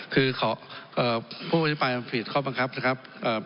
คือขอผู้อภิปรายมันผิดข้อบังคับนะครับ